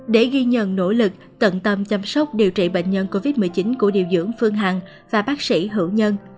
để ghi nhận nỗ lực tận tâm chăm sóc điều trị bệnh nhân covid một mươi chín của điều dưỡng phương hằng và bác sĩ hữu nhân